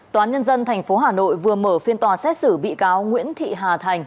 tòa án nhân dân tp hà nội vừa mở phiên tòa xét xử bị cáo nguyễn thị hà thành